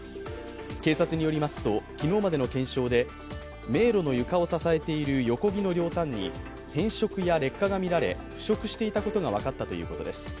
警察によりますと、昨日までの検証で迷路の床を支えている横木の両端に変色や劣化が見られ、腐食していたことが分かったということです。